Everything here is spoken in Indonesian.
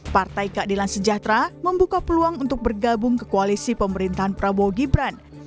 partai keadilan sejahtera membuka peluang untuk bergabung ke koalisi pemerintahan prabowo gibran